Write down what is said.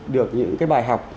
được những cái bài học